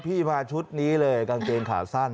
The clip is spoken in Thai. พี่มาชุดนี้เลยกางเกงขาสั้น